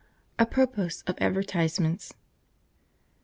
Apropos of advertisements.